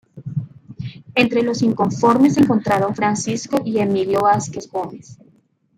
Entre los inconformes se encontraron Francisco y Emilio Vázquez Gómez.